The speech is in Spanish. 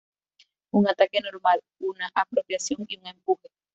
Un "ataque normal", una "apropiación", y un "empuje".